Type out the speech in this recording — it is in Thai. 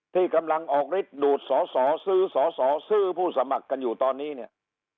ที่กำลังออกฤทธิ์ดูดสอสอซื้อสอสอซื้อผู้สมัครกันอยู่ตอนนี้เนี่ย